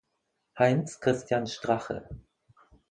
Heinz Christian Strache